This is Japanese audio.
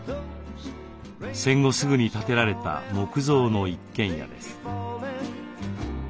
戦後すぐに建てられた木造の一軒家です。